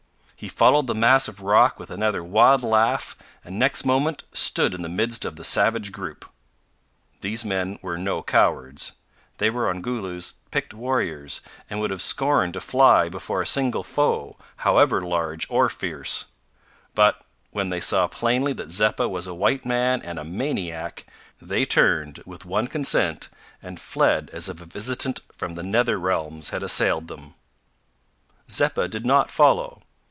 He followed the mass of rock with another wild laugh, and next moment stood in the midst of the savage group. These men were no cowards. They were Ongoloo's picked warriors, and would have scorned to fly before a single foe, however large or fierce. But when they saw plainly that Zeppa was a white man and a maniac, they turned, with one consent, and fled as if a visitant from the nether realms had assailed them. Zeppa did not follow.